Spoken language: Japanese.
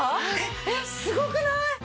えっすごくない？